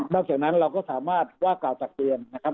จากนั้นเราก็สามารถว่ากล่าวตักเตือนนะครับ